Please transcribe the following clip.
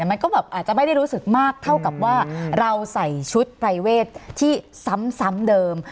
มันก็แบบอาจจะไม่ได้รู้สึกมากเท่ากับว่าเราใส่ชุดปรายเวทที่ซ้ำเดิม